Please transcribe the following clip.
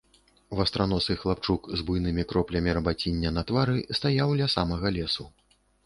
Вастраносы хлапчук з буйнымі кроплямі рабаціння на твары стаяў ля самага лесу.